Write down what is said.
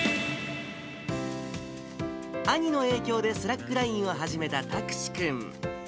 兄の影響でスラックラインを始めた拓志君。